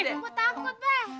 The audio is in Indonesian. kok takut be